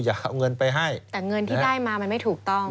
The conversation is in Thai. อย่าเอาเงินไปให้แต่เงินที่ได้มามันไม่ถูกต้อง